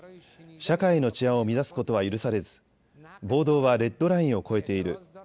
社会の治安を乱すことは許されず暴動はレッドラインを越えている。